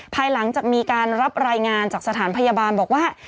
ภายหลังจากมีการรับรายงานจากสถานพยาบาลบอกว่า